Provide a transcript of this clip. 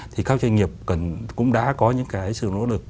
thì các doanh nghiệp cũng đã có những cái sự nỗ lực